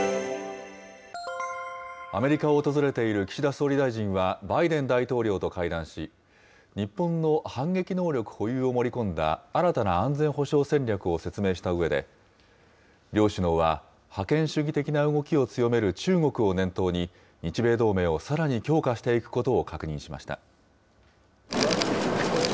アメリカを訪れている岸田総理大臣は、バイデン大統領と会談し、日本の反撃能力保有を盛り込んだ新たな安全保障戦略を説明したうえで、両首脳は覇権主義的な動きを強める中国を念頭に、日米同盟をさらに強化していくことを確認しました。